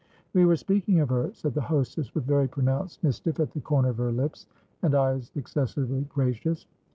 "We were speaking of her," said the hostess, with very pronounced mischief at the corner of her lips, and eyes excessively gracious.